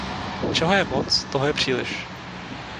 Čeho je moc, toho je příliš.